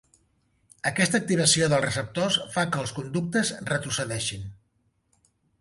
Aquesta activació dels receptors fa que els conductes retrocedeixin.